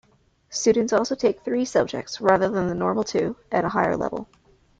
Students also take three subjects, rather than the normal two, at a higher level.